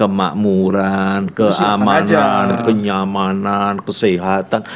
kemakmuran keamanan kenyamanan kesehatan